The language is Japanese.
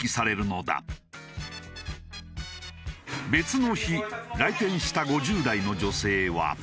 別の日来店した５０代の女性は。